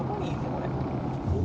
これ。